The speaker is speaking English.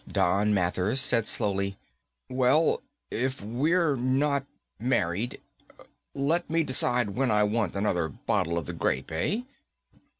Don Mathers said slowly, "Well, if we're not married, let me decide when I want another bottle of the grape, eh?"